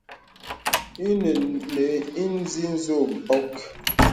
Ìnə nə̀ inzì nzo mpɔk.